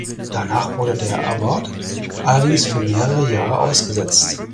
Danach wurde der Award allerdings für mehrere Jahre ausgesetzt.